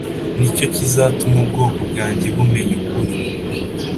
Ni cyo kizatuma ubwoko bwanjye bumenya ukuri